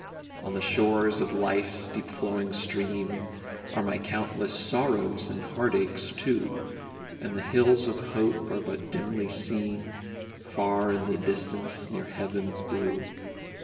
On the shores of life's deep flowing stream Are my countless sorrows and heartaches, too, And the hills of hope are but dimly seen, Far in the distance, near heaven's blue.